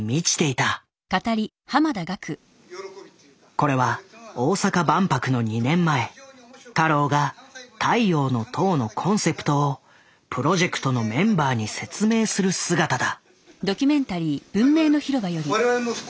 これは大阪万博の２年前太郎が「太陽の塔」のコンセプトをプロジェクトのメンバーに説明する姿だ。